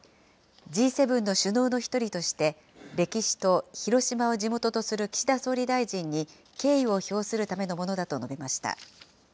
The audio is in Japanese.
Ｇ７の首脳の１人として、歴史と広島を地元とする岸田総理大臣に敬意を表するためのものだと述べました。